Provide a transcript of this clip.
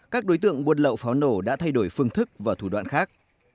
các đối tượng buôn lậu pháo nổ đã thay đổi phương thức và thủ đoạn khác